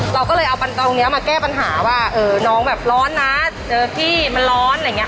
เราก็เลยเอาปันตรงนี้มาแก้ปัญหาว่าน้องแบบร้อนนะเจอพี่มันร้อนอะไรอย่างนี้